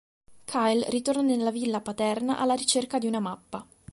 Kyle ritorna nella villa paterna alla ricerca di una mappa.